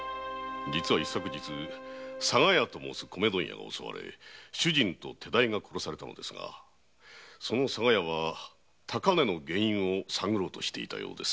実は一昨日佐賀屋と申す米問屋が襲われ主人と手代が殺されたのですがその佐賀屋は高値の原因を探ろうとしていたようです。